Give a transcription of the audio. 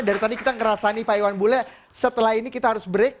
dari tadi kita ngerasa nih pak iwan bule setelah ini kita harus break